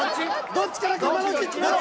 どっちかだけ今のうち決めろ！